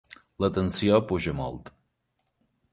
La tensió puja molt.